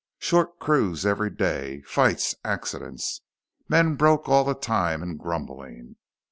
Short crews every day: fights, accidents. Men broke all the time and grumbling.